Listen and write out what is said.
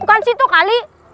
bukan situ kali